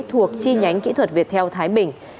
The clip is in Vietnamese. thuộc chi nhánh kỹ thuật việt theo thái bình